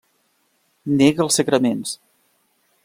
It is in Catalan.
Nega els sagraments.